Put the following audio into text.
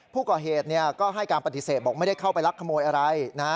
ผู้ก่อเหตุก็ให้การปฏิเสธบอกไม่ได้เข้าไปลักขโมยอะไรนะ